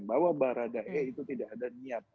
bahwa baradae itu tidak ada niat